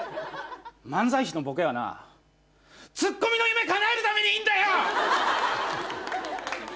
漫才師のボケはなツッコミの夢かなえるためにいんだよ！